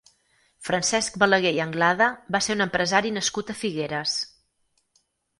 Francesc Balagué i Anglada va ser un empresari nascut a Figueres.